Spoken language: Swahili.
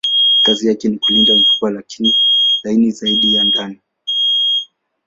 Kazi yake ni kulinda mfupa laini zaidi ya ndani.